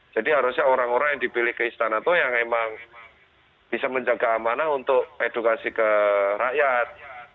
jadi harusnya orang orang yang dibeli ke istana itu yang memang bisa menjaga amanah untuk edukasi ke rakyat